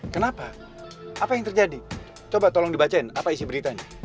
kenapa apa yang terjadi coba tolong dibacain apa isi beritanya